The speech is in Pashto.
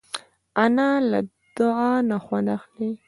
انا له دعا نه خوند اخلي